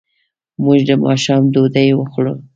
موږ د ماښام ډوډۍ وخوړه.